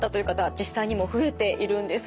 実際にも増えているんです。